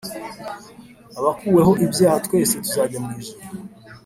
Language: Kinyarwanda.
abakuweho ibyaha twese tuzajya mwijuru